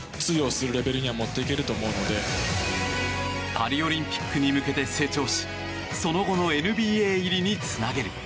パリオリンピックに向けて成長しその後のＮＢＡ入りにつなげる。